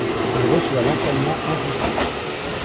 Il reçoit l'entraînement intensif.